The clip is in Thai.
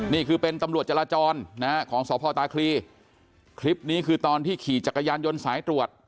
นี่คือเป็นตำรวจจราจรนะฮะของสพตาคลีคลิปนี้คือตอนที่ขี่จักรยานยนต์สายตรวจ